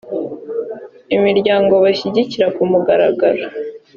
imiryango bashyigikira ku mugaragaro.